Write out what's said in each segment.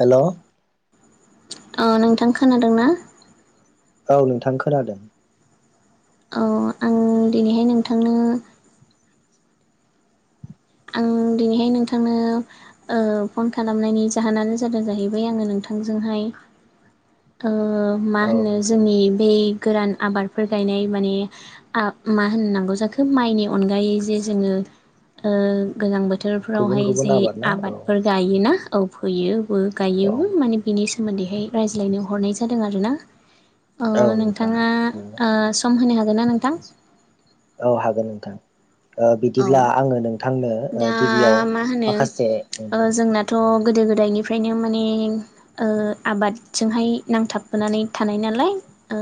हेल' ओ नोंथां खोनादों ना? औ नोंथां खोनादों। अ आं दिनैहाय नोंथांनो आं दिनैहाय नोंथांनो ओ फन खालामनायनि जाहोनानो जादों जाहैबाय आङो नोंथां नोंथांजोंहाय ओ मा औ होनो नोंथां जोंनि बै गोरान आबादफोर गायनाय माने मा होननांगौ जाखो माइनि अनगायै जे जोङो गोजां गुबुन बोथोरफ्रावहाय गुबुन जे आबाद ना औ आबादफोर गायोना औ फोयो औ गायोबो माने बेनि सोमोन्दैहाय रायज्लायनो हरनाय जादों आरोना। अ औ नोंथां नोंथाङा सम होनो हागोन ना नोंथां? औ हागोन नोंथां औ बिदिब्ला आङो नोंथां- दा मा होनो जोंनाथ' गोदो गोदायनि निफ्रायनो माने ओ आबादजोंहाय नांथाबबोनानै थानाय नालाय ओ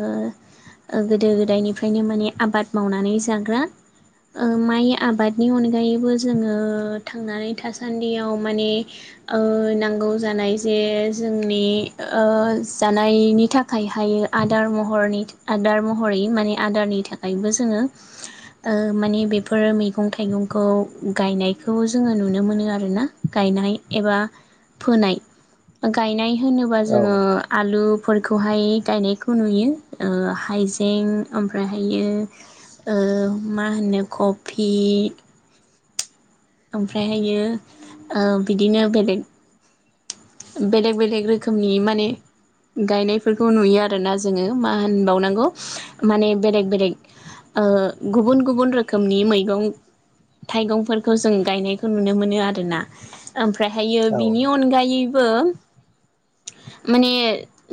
गोदो गोदायनिफ्रायनो माने आबाद मावनानै जाग्रा ओ माइ आबादनि अनगायैबो जोङो थांनानै थासान्दियाव माने नांगौ ओ जानाय जे जोंनि ओ जानायनि थाखायहाय आदार महरनि आदार महरै बे मानि आदारनि थाखायबो जोङो माने बेफोर मैगं थाइगंखौ गायनायखौ जोङो नुनो मोनो आरो ना गायनाय एबा फोनाय गायनाय होनोबा औ जोङो आलु फोरखौहाय गायनायखौ नुयो ओ हाइजें ओमफ्रायहायो मा होनो कफि ओमफ्रायहायो बिदिनो बेलेग बेलेग बेलेग रोखोमनि माने गायनायफोरखौ नुयो आरोना जोङो मा होनबावनांगौ माने बेलेक बेलेक गुबुन गुबुन रोखोमनि मैगं थाइगंफोरखौ जों गायनायखौ नुनो मोनो आरोना ओमफ्रायहायो औ बिनि नोंथां अनगायै बो माने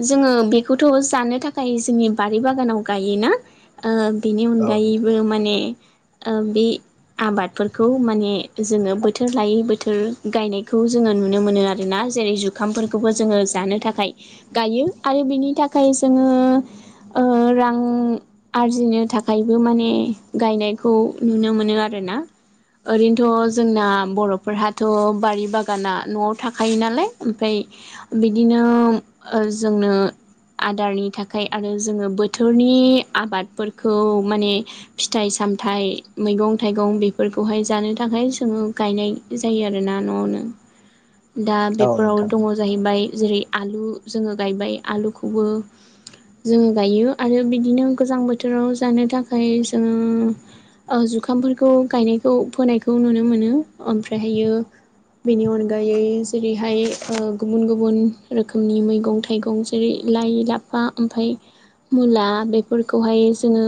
जोङो बेखौथ' जानो थाखाय जोंनि बारि बागानाव गायोना ओ बेनि औ अनगायैबो नोंथां माने ओ बे आबादफोरखौ माने जोङो बोथोर लायै बोथोर गायनायखौ जोङो नुनो मोनो आरोना। जेरै जुखामफोरखौबो जोङो जानो थाखाय गायो आरो बिनि थाखाय जोङो। ओ रां आरजिनो थाखायबो माने गायनायखौ नुनो मोनो आरो। ना ओरैनोथ' जोंना बर'फोरहाथ' बारि बागाना न'आव थाखायो नालाय। ओमफाय बिदिनो जोंनो आदारनि थाखाय आरो जोङो बोथोरनि आबादफोरखौ माने फिथाइ साम सामथाइ मैगं थाइगं बेफोरखौहाय जानो थाखाय जोङो गायनाय जायो आरोना न'आवनो। दा औ बेफोराव नोंथां दङ जाहै बाय जेरै आलु जोङो गायबाय आलुखौबो। जोङो गायो आरो बिदिनो गोजां बोथोराव जानो थाखाय जोङो जुखामफोरखौ गायनायखौ फोनायखौ नुनो मोनो ओमफ्रायहायो बिनि अनगायै जेरै बेहाय ओ गुबुन गुबुन रोखोमनि मैगं थाइगं जेरै लाइ लाफा ओमफाय मुला बेफोरखौहाय जोङो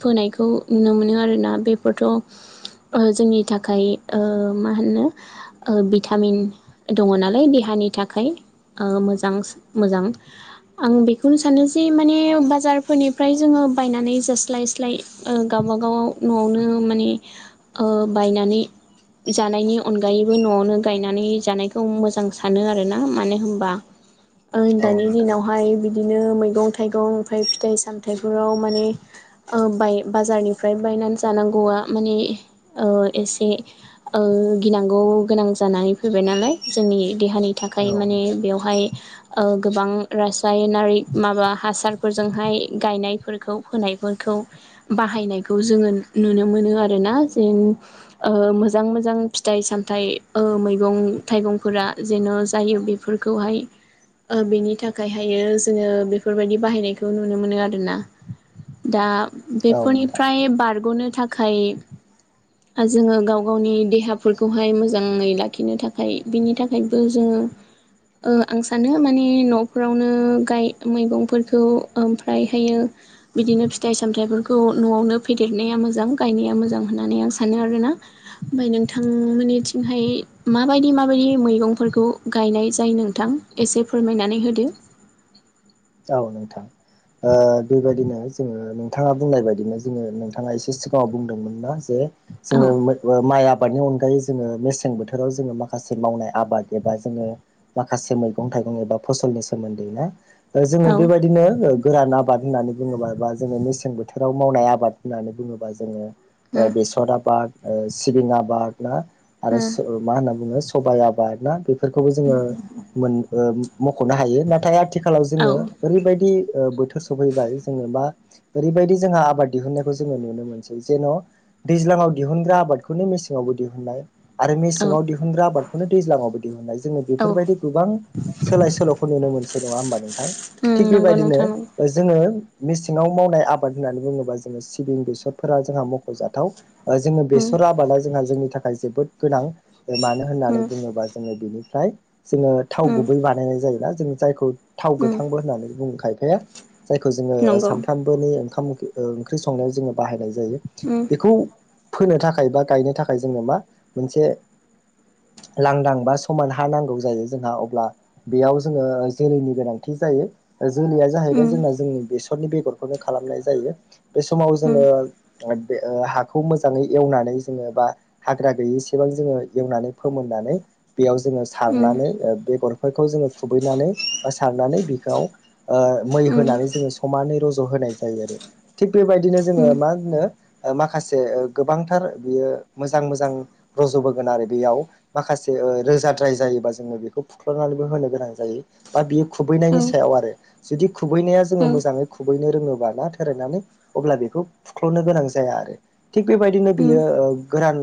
फोनायखौ नुनो मोनो आरोना। बेफोरथ' जोंनि थाखाय मा होनो बिथां भिटामिन दङ नालाय देहानि थाखाय। ओ मोजां मोजां आं बेखौनो सानो जे माने बाजारफोरनिफ्राय जोङो बायनानै जास्लायस्लाय गावबागावाव न'आवनो माने ओ बायनानै जानायनि अनगायैबो न'आवनो गायनानै जानायखौ मोजां सानो आरोना मानो होनबा ओ औ दानि नोंथां दिनावहाय बिदि बिदिनो मैगं-थाइगं ओमफ्राय फिथाइ-सामथाइफोराव माने बाय बाजारनिफ्राय बाय नानै जागांगौआ माने ओ एसे ओ गिनांगौ गोनां जानानै फैबाय नालाय जोंनि देहानि थाखाय औ माने नोंथां बेवहाय ओ गोबां रासायनारि माबा हासारफोरजोंहाय गायनायफोरखौ फोनायफोरखौ बाहायनायखौ जोङो नुनो मोनो आरो ना जों ओ मोजां मोजां फिथाइ सामथाइ ओ मैगं थाइगंफोरा जेन' जायो बेफोरखौहाय ओ बेनि थाखायहायो जोङो बेफोरबायदि बाहायनायखौ नुनो मोनो आरोना। दा औ नोंथां बेफोरनिफ्राय बारग'नो थाखाय जोङो गाव गावनि देहाफोरखौहाय मोज मोजाङै लाखिनो थाखाय बिनि थाखायबो जोङो ओ‌ आं सानो माने न'फोरावनो गाय मैगंफोरखौ ओमफ्रायहायो बिदिनो फिथाइ-सामथाइफोरखौ न'आवनो फेदेरनाया मोजां गायनाया मोजां होननानै आं सानो आरोना। ओमफ्राय नोंथां मोननिथि हाय माबायदि माबायदि मैगंफोरखौ गायनाय जायो नोंथां एसे फोरमायनानै होदो। [inaudible] औ नोंथां। ओ बेबायदिनो जोङो नोंथाङा बुंनाय बायदिनो जोङो नोंथाङा एसे सिगाङाव बुंदोंमोन ना जे जोङो औ माय आ आबादनि अनगायै जोङो मेसें बोथोराव जोङो माखासे मावनाय आबाद एबा जोङो माखासे मैगं-थाइ एबा फसलनि सोमोन्दै ना ओ जोङो औ बेबायदिनो ओ गोरान आबाद होननानै बुङोबा बा जोङो मेसें बोथोराव मावनाय आबाद होननानै बुङोबा जोङो उम ओ बेसर आबाद ओ सिबिं आबाद ना आरो उम सो मा होनना बुङो सबायाइ आबाद ना बेफोरखौबो जोङो मो ओमख'नो हायो नाथाय आथिखाल औ जोंङो ओरैबायदि ओ बोथोर सफैबाय जोङो दा दा ओरैबायदि जोंहा आबाद दिहुननायखौ जोङो नुनो मोनसै जेन' दैज्लाङाव दिहुनग्रा आबादखौनो बे मेसेङावबो दिहुननाय आरो औ मेसेङाव दिहुनग्रा आबादखौनो दैज्लाङावबो दिहुननाय जोंङो औ बेफोरबायदि गोबां सोलाय सोल'खौनो नुनो मोनसै नङा होमबा नोंथां? उम थिग नंगौ बेबायदिनो नोंथां नंगौ ओ जोङो ओ मेसेङाव मावनाय आबाद होन्नानै बुङोबा जोङो सिबिं बेसरफोरा जोंहा मख'जाथाव। ओ जोङो बेसर आबादा जोंहा जोंनि थाखाय जोबोद गोनां मानो होननानै उम बुङोबा जोङो बेनि ओमफ्राय जोङो थाव उम उम गुबै बानायनाय जायोना जों जायखौ थाव उम गोथांबो होननानै बुंङो खायफाया जायखौ जोङो नंगौ सानफ्रामबोनि ओंखाम ओ ओंख्रि संनायाव जोङो बाहायनाय जायो उम बेखौ फोनो थाखाय बा गायनो थाखाय जोंनो मा मोनसे लांदां बा समान हा नांगौ जायो जोंहा अब्ला बेयाव जोङो जेरैनि गोनांथि जायो ओ जोलैया जाहैबाय उम जोंना जोंनि बेसरनि बेगरखौनो खालामनाय जायो। बे समाव उम जोङो ओ बे ओ हाखौ मोजाङै एवनानै जोङो बा हाग्रा गैयै सेबां जोङो एवनानै फोमोननानै बेयाव जोङो सारनानै ओ बेगरफोरखौ जोङो खुबैनानै माने बेखौ ओ मै होनानै जोङो समानै र'ज‌ होनाय जायो आरो थि बेबायदिनो जोङो मा होनो ओ माखासे ओ गोबांथार बियो मोजां मोजां रज'बोगोन आरो बेयाव माखासे से ओ रोजाद्राय जायोबा जोङो बेखौ फुख्ल'नानैबो होनो गोनां जायो। बा बियो उम औ खुबैनायनि सायाव आरो। जुदि खुबैनाया जोङो मोजाङै खुबैनो रोङोबा ना थोरायनानै अब्ला बेखौ फुख्ल'नो गोनां जाया आरो। थिग बेबायदिनो उम बियो ओ गोरान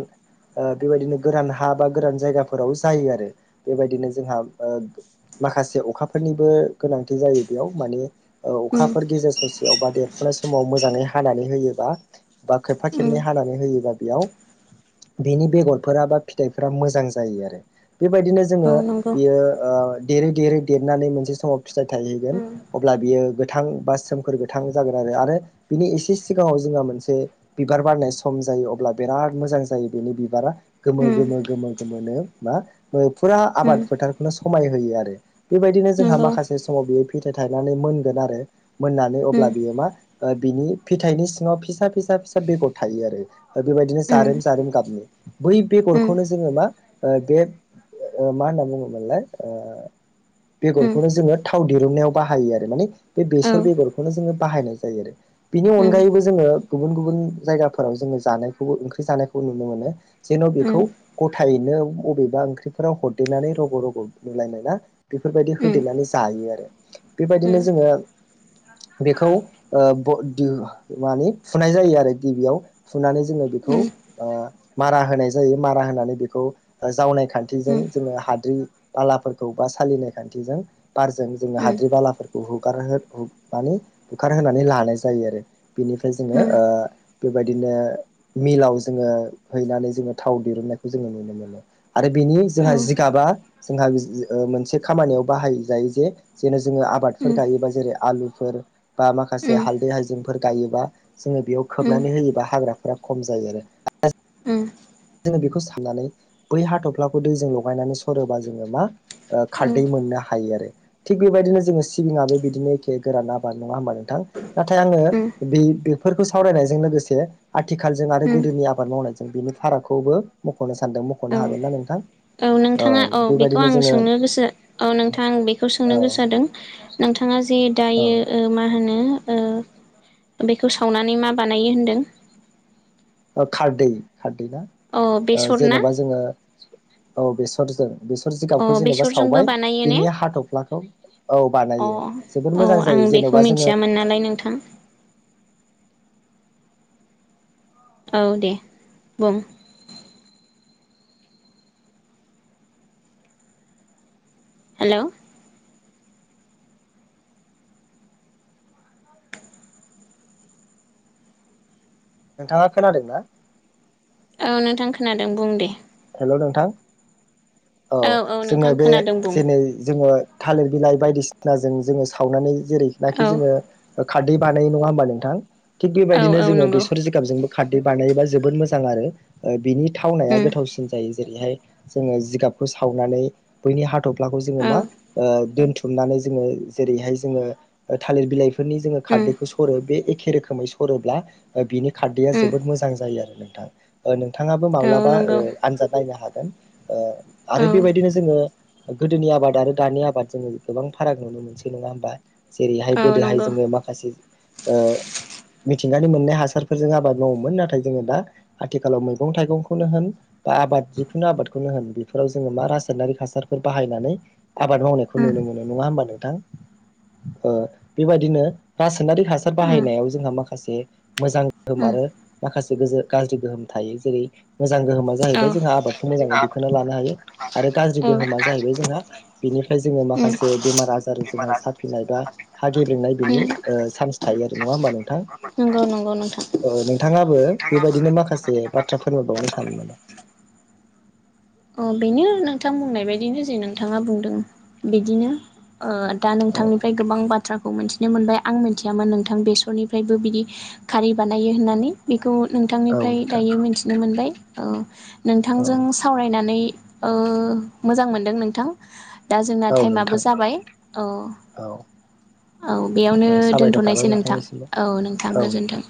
ओ बेबायदिनो गोरान हा बा गोरान जायगाफोराव जायो आरो बेबायदिनो जोंहा ओ गो माखासे अ अखाफोरनिबो गोनांथि जायो बेयाव मानि ओ अखाफोर गेजेर ससेयाव बा देरफुनाय समाव मोजां हानानै होयोबा बा खेबफा उम खेबनै हानानै होयोबा बेयाव बेनि बेगरफोरा बा फिथाइफोरा मोजां जायो आरो बेबायदिनो औ जोङो नंगौ बियो देरै देरै देरनानै मोनसे समाव फिथाइ थायहैगोन उम अब्ला बियो गोथां बा सोमखोर गोथां जागोन आरो आरो बिनि एसे सिगाङाव जोंहा मोनसे बिबार बारनाय सम जायो अब्ला बिराद मोजां जायो बेनि बिबारा उम गोमो-गोमो-गोमो गोमोनो मा फुरा उम आबाद फोथारखौनो समाय होयो आरो बेबायदिनो जोंहा नंगौ माखासे समाव बियो फिथाइ थायनानै मोनगोन आरो मोननानै अब्ला उम बियो मा ओ बिनि फिथाइनि सिङाव फिसा-फिसा-फिसा बेगर थायो आरो बेबायदिनो उम जारेम जारेम गाबनि बै उम उम बेगरखौनो जोङो मा बे ओ मा होनना बुङो मोनलाय औ बेगरखौनो जोङो थाव दिरुननायाव बाहायो आरो माने बे बेसर उम उम बेगरखौनो जोङो बाहायनाय जायो आरो बिनि उम अनगायैबो जोङो गुबुन गुबुन जायगाफोराव जोङो जानायखौबो ओंख्रि जानायखौ नुनो मोनो जेन उम बेखौ गथायैनो बबेबा ओंख्रिफोराव हरदेनानै रग रग नुलायनायना बेफोरबायदि उम होदेरनानै जायो आरो बेबायदिनो जोङो [inaudible] बेखौ ओ ब दि माने फुनाय जायो आरो गिबियाव फुनानै जोङो बिखौ ओ मारा होनाय ज मारा होनानै बेखौ जावनाय खान्थिजों उम औ उम जोङो हाद्रि बालाफोरखौ बा सालिनाय खान्थिजों बारजों जोङो उम उम हाद्रि बालाफोरखौ हुगार माने हुखारहोनानै लानाय जायो आरो बिनिफ्राय जोङो ओ बेबायदिनो मिलाव जोङो हैनानै जोङो थाव दिरुननायखौ जोङो नुनो मोनो आरो बेनि जोंहा जिगाबा जोंहा मोनसे खामानियाव बाहाय जायो जे जेन' जोङो आबादफोर गायोबा जेरै आलुफोर बा माखासे हालदै हायजेंफोर गायोबा जोङो बेयाव खोबनानै होयोबा हाग्राफोरा खम जायो आरो उम जों बेखौ साननानै बै हाथ'फ्लाखौ दैजों लगायनानै सरोबा जोङो मा ओ खारदै मोननो हायो आरो थिग बेबायदिनो जोङो सिबिङाबो बिदिनो एखे गोरान आबाद नङा होमबा नोंथां नाथाय आङो बि बेफोरखौ सावरायनायजों लोगोसे आथिखालजों आरो उम उम गोदोनि आबाद मावनायजों ओ बिनि फारागखौबो मखनो सानदों मखनो औ हागोन ना नोंथां औ ओ नोंथाङा औ बेखौ बेबायदिनो आं जोङो सोंनो गोसो औ नोंथाङा आं बेखौ औ सोंनो गोसो जादों नोंथाङा जे दायो मा होनो ओ-ओ बेखौ सावनानै मा बानायो होनदों औ खारदै खारदै ना अ बेसर ना जेनेबा जोङो औ बेसरजों बेसर अ जिगाबखौ जेनेबा बेसरजोंबो सावबाय बानायो ने बिनि हाथफ्लाखौ औ अ बानायो जोबोद औ मोजां आं जायो बेखौ जेन'बा जोङो मिन्थियामोन नालाय नोंथां [inaudible] औ दे बुं हेलौ नोंथाङा खोनादोंना औ नोंथां खोनादों बुं दे हेलौ नोंथां औ जोङो नोंथां बे खोनादों बुं जेनै जोङो थालिर बिलाय बायदिसिनाजों जोङो सावनानै जेरैखिनाखि औ जोङो ओ खारदै बानायो नङा होमबा नोंथां थिग औ बेबायदिनो औ जोङो नंगौ बेसर जिगाबजोंबो खारदै बानायोबा जोबोद मोजां आरो बिनि थावनाया उम गोथावसिन जायो जेरैहाय जोङो जिगाबखौ सावनानै बैनि हा थफ्लाखौ जोङो औ मा ओ दोनथुमनानै जोङो जेरैहाय जोङो ओ थालिर बिलाइ बेफोरनि जोङो उम खारदैखौ सरो बे एखे रोखोमै सरोब्ला बिनि खारदैआ उम जोबोद मोजां जायो आरो नोंथां ओ नोंथाङाबो औ माब्लाबा नंगौ आनजाद नायनो हागोन औ आरो बेबायदिनो जोङो गोदोनि आबाद आरो दानि आबाद जोङो गोबां फाराग नुनो मोनसै नङा होमबा जेरैहाय औ गोदोहाय नंगौ जोङो माखासे मिथिंगानि मोननाय हासारफोरजों आबाद मावोमोन नाथाय जोङो दा आथिखालाव मैगं थाइगंखौनो होन बा आबाद जिखुनु आबादखौनो होन बेफोराव जोङो मा रासायनारि हासारफोर बाहायनानै आबाद मावनायखौ उम नुनो मोनो मोनो नङा होम्बा नोंथां ओ बेबायदिनो रासायनारिक हासार उम बाहायनायाव जोंहा माखासे मोजां गोहोम उम आरो माखासे गोजो गरजि गोहोम थायो जेरै मोजां गोहोमा औ जाहैबाय जोंहा आबादखौ मोजाङै दिखांना लानो हायो आरो गाज्रि औ गोहोमा जाहैबाय जोंहा बेनिफ्राय जोङो माखासे बेमार आजार जोङो साफिनाय बा हा गेब्रेनाय बिनि सान्स थायो आरो नङा होम्बा नोंथां नंगौ नंगौ नोंथां ओ नोंथाङाबो बेबायदिनो माखासे बाथ्रा फोरमायबावनो सानो नामा अ बेनो नोंथां बुंनाय बायदिनो जे नोंथाङा बुंदों बिदिनो ओ दा औ नोंथांनिफ्राय गोबां बाथ बाथ्राखौ मिन्थिनो मोनबाय आं मोनथियामोन नोंथां बेसरनिफ्रायबो बिदि खारै बानायो होननानै बेखौ औ नोंथांनिफ्राय नोंथां दायो मिथिनो मोनबाय औ औ नोंथांजों सावरायनानै मोजां मोनदों नोंथां दा जोंना औ टाइमाबो नोंथां जाबाय औ। औ औ बेयावनो साबायखर थाबाय दोनथ'नायसै नोंथां नोंथांनिसिमबो औ नोंथां गोजोन्थों